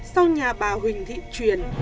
sau nhà bà huỳnh thị truyền